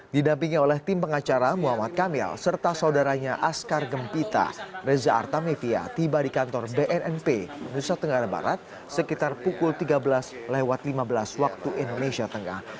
didampingi oleh tim pengacara muhammad kamil serta saudaranya askar gempita reza artamevia tiba di kantor bnnp nusa tenggara barat sekitar pukul tiga belas lima belas waktu indonesia tengah